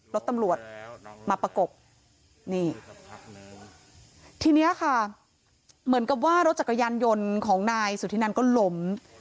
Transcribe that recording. รถตำรวจมาประกบนี่ทีเนี้ยค่ะเหมือนกับว่ารถจักรยานยนต์ของนายสุธินันก็ล้ม